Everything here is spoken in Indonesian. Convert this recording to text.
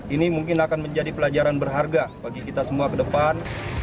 ini mungkin akan menjadi pelajaran berharga bagi kita semua ke depan